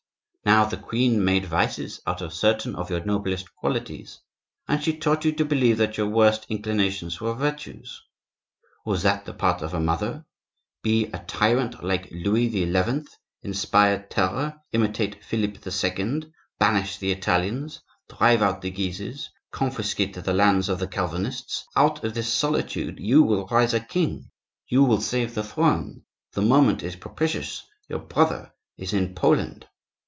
Now, the queen made vices out of certain of your noblest qualities, and she taught you to believe that your worst inclinations were virtues. Was that the part of a mother? Be a tyrant like Louis XI.; inspire terror; imitate Philip II.; banish the Italians; drive out the Guises; confiscate the lands of the Calvinists. Out of this solitude you will rise a king; you will save the throne. The moment is propitious; your brother is in Poland."